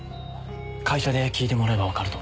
会社で聞いてもらえばわかると思います。